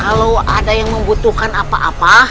kalau ada yang membutuhkan apa apa